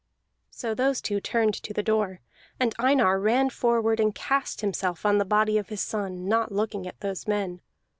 So those two turned to the door; and Einar ran forward and cast himself on the body of his son, not looking at those men.